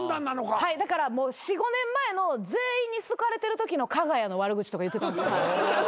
はいだから４５年前の全員に好かれてるときのかが屋の悪口とか言ってたんですよ。